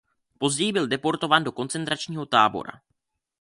Později byl deportován do koncentračního tábora.